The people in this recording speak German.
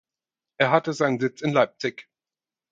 Er hatte seinen Sitz in Leipzig.